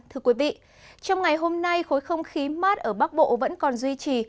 trong ngày hôm nay khối không khí mát ở bắc bộ vẫn còn duy trì